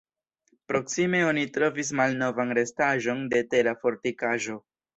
Proksime oni trovis malnovan restaĵon de tera fortikaĵo.